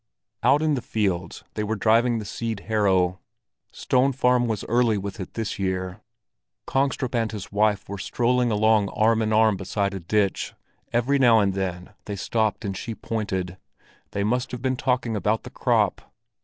Out in the fields they were driving the seed harrow; Stone Farm was early with it this year. Kongstrup and his wife were strolling along arm in arm beside a ditch; every now and then they stopped and she pointed: they must have been talking about the crop.